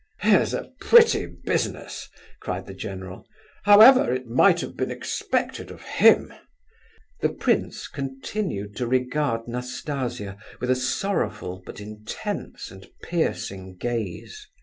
"Here's a pretty business!" cried the general. "However, it might have been expected of him." The prince continued to regard Nastasia with a sorrowful, but intent and piercing, gaze.